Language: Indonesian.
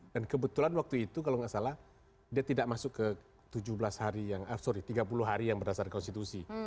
dan kebetulan waktu itu kalau tidak salah dia tidak masuk ke tujuh belas hari yang sorry tiga puluh hari yang berdasar konstitusi